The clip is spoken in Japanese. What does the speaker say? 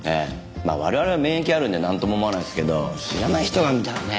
まあ我々は免疫あるんでなんとも思わないですけど知らない人が見たらね。